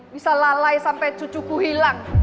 bisa lalai sampai cucuku hilang